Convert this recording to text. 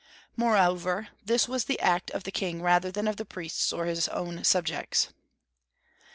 Moreover, this was the act of the king rather than of the priests or his own subjects.